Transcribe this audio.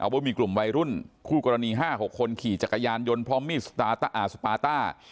ว่ามีกลุ่มวัยรุ่นคู่กรณี๕๖คนขี่จักรยานยนต์พร้อมมีดสปาต้า